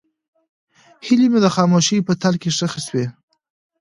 هیلې مې د خاموشۍ په تل کې ښخې شوې.